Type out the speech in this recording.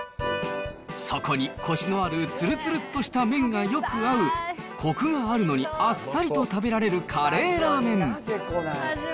そこにこしのあるつるつるっとした麺がよく合う、こくがあるのにあっさりと食べられるカレーラーメン。